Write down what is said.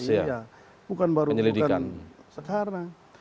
iya bukan baru bukan sekarang